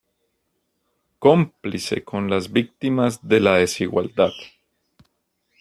Cómplice con las víctimas de la desigualdad.